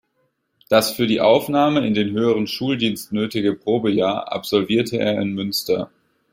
Das für die Aufnahme in den höheren Schuldienst nötige Probejahr absolvierte er in Münster.